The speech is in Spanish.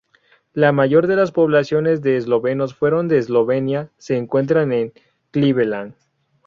La mayor de las poblaciones de eslovenos fuera de Eslovenia se encuentra en Cleveland.